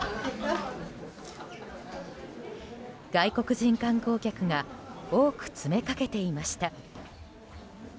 外国人観光客が多く詰めかけていました。